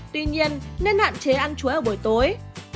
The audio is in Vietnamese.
tuy nhiên nên hạn chế ăn chuối buổi tối